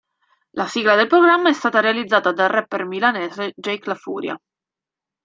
La sigla del programma è stata realizzata dal rapper milanese Jake La Furia.